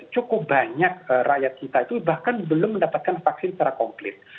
cukup banyak rakyat kita itu bahkan belum mendapatkan vaksin secara komplit